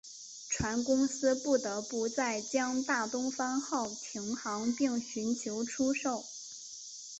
船公司不得不在将大东方号停航并寻求出售。